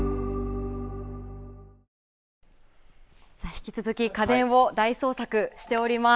引き続き家電を大捜索しています。